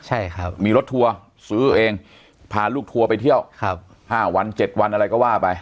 ใช่ครับมีรถทัวร์ซื้อเองพาลูกทัวร์ไปเที่ยว๕วัน๗วันอะไรก็ว่าไป